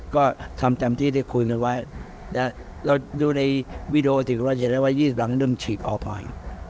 ก็ทำเต็มที่ได้คุยกันไว้เราดูในวีดีโอถึงเราจะเห็นได้ว่า๒๐หลังเริ่มฉีดออกไป